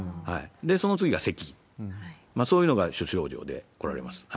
その次がせき、そういうのが主症状で来られます。